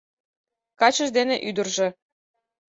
Качыж дене ӱдыржӧ